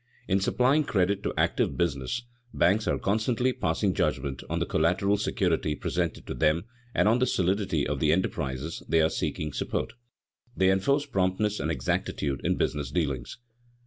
In supplying credit to active business, banks are constantly passing judgment on the collateral security presented to them and on the solidity of the enterprises that are seeking support. They enforce promptness and exactitude in business dealings.